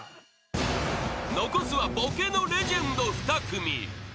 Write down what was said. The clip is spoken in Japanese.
［残すはボケのレジェンド２組］